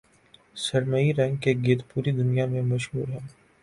سرمئی رنگ کے گدھ پوری دنیا میں مشہور ہیں